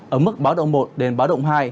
ở mức báo động một đến báo động hai